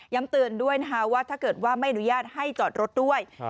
ย้ำตื่นด้วยว่าถ้าเกิดไม่อนุญาตให้จอดรถด้วย